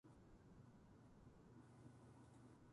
大谷翔平は二刀流で活躍している